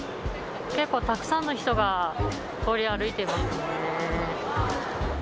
結構たくさんの人が通り歩いてますね。